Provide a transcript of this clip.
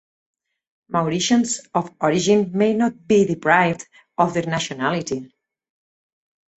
Mauritians of origin may not be deprived of their nationality.